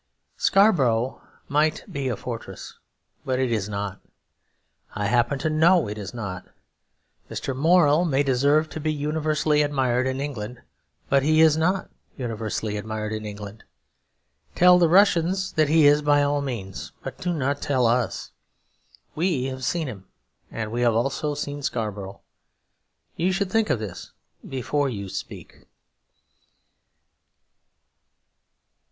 Scarborough might be a fortress; but it is not. I happen to know it is not. Mr. Morel may deserve to be universally admired in England; but he is not universally admired in England. Tell the Russians that he is by all means; but do not tell us. We have seen him; we have also seen Scarborough. You should think of this before you speak.